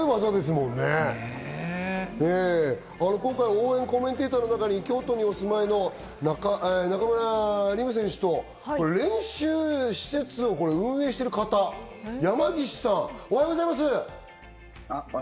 今回応援コメンテーターの中に京都にお住まいの練習施設を運営している方、山岸さん、おはようございます。